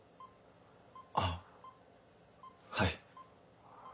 あっはい。